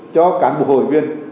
cho cảnh bộ hội viên